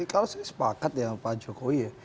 kalau saya sepakat dengan pak jokowi ya